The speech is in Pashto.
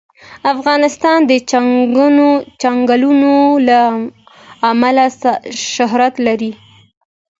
افغانستان د چنګلونه له امله شهرت لري.